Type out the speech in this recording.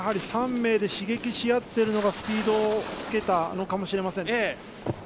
３名で刺激し合っているのがスピードをつけたのかもしれません。